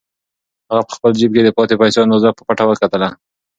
هغه په خپل جېب کې د پاتې پیسو اندازه په پټه وکتله.